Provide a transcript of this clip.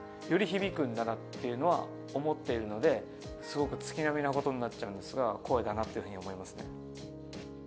響くんだなっていうのは思ってるのですごく月並みなことになっちゃうんですが声だなって思いますね。